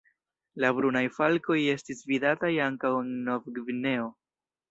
La Brunaj falkoj estis vidataj ankaŭ en Nov-Gvineo.